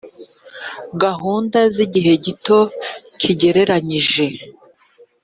gahunda z’igihe gito kigereranyije